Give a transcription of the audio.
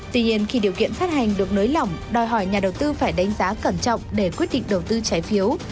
tuy nhiên khi điều kiện phát hành được nới lỏng đòi hỏi nhà đầu tư phải đánh giá cẩn trọng để quyết định đầu tư trái phiếu